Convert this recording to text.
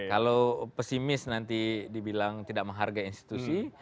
kalau pesimis nanti dibilang tidak menghargai institusi